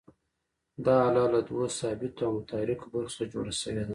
دا آله له دوو ثابتو او متحرکو برخو څخه جوړه شوې ده.